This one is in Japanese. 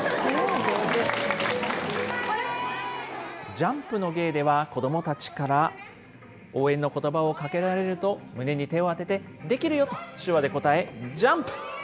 ジャンプの芸では、子どもたちから応援のことばをかけられると、胸に手を当てて、できるよと、手話で応え、ジャンプ。